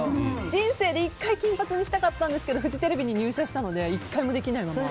人生で１回金髪にしてみたかったんですけどフジテレビに入社したので１回もできないまま。